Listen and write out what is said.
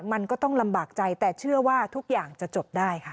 มันก็ต้องลำบากใจแต่เชื่อว่าทุกอย่างจะจบได้ค่ะ